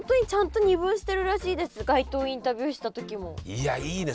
いやいいね。